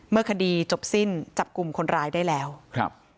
เมื่อคดีจบสิ้นจับกลุ่มคนร้ายได้แล้วครับ